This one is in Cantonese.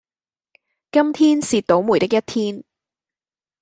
今天是倒楣的一天